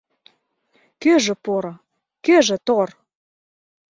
Кӧжӧ поро, кӧжӧ тор?»